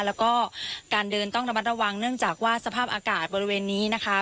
แล้วก็การเดินต้องระมัดระวังเนื่องจากว่าสภาพอากาศบริเวณนี้นะคะ